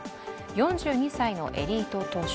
４２歳のエリート党首。